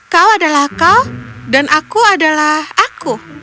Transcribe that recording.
kau adalah kau dan aku adalah aku